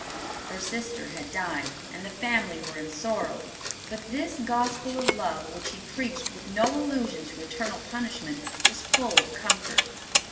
Her sister had died, and the family were in sorrow; but this gospel of love, which he preached with no allusion to eternal punishment, was full of comfort.